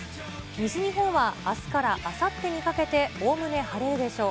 西日本はあすからあさってにかけておおむね晴れるでしょう。